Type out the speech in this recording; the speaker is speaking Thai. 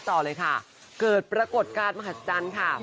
คุณผู้ชมดูตามภาพหน้าจอเลยค่ะเกิดปรากฏการณ์มหัศจรรย์ค่ะ